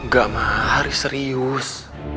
ga mahari serius